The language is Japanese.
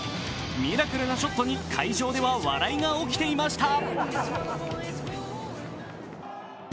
ミラクルなショットに会場では笑いが起きていました。